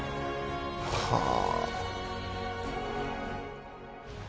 「はあ」